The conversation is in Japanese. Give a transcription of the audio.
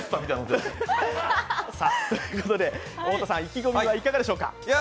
ということで太田さん、意気込みはいかがでしょうか？